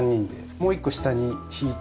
もう１個下に敷いて。